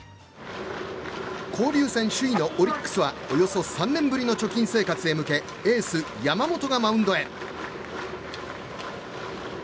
交流戦首位のオリックスはおよそ３年ぶりの貯金生活へ向けエース山本がマウンドへ。